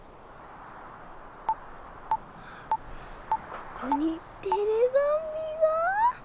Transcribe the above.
ここにテレゾンビが！